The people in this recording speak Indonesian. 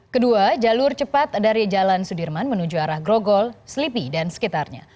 kedua jalur cepat dari jalan sudirman menuju arah grogol selipi dan sekitarnya